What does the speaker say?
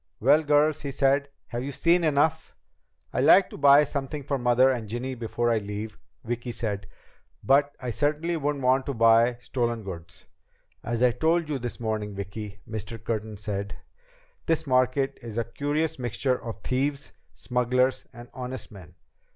"Well, girls," he said, "have you seen enough?" "I'd like to buy something for Mother and Ginny before I leave," Vicki said. "But I certainly wouldn't want to buy stolen goods." "As I told you this morning, Vicki," Mr. Curtin said, "this market is a curious mixture of thieves, smugglers, and honest men.